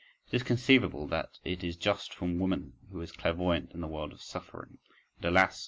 It is conceivable that it is just from woman—who is clairvoyant in the world of suffering, and, alas!